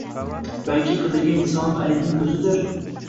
Balki qidirgan insonim Alining o`zidir